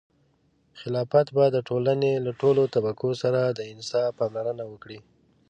خلافت به د ټولنې له ټولو طبقو سره د انصاف پاملرنه وکړي.